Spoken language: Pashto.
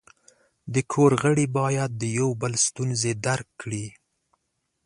د کور غړي باید د یو بل ستونزې درک کړي.